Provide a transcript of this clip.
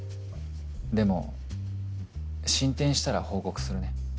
でも進展したら報告するね。